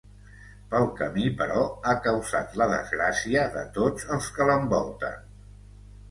Pel camí, però, ha causat la desgràcia de tots els que l'envolten.